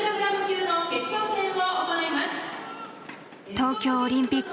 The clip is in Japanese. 東京オリンピックの代表